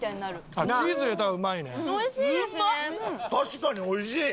確かに美味しい！